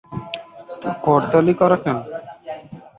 তোর কর্তালি করা কেন।